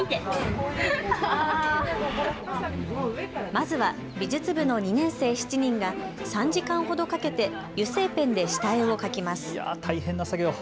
まずは美術部の２年生７人が３時間ほどかけて油性ペンで下絵を描きます。